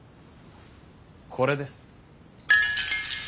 これです。